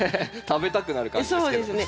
食べたくなる感じですけど。